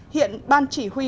hiện ban chỉ huy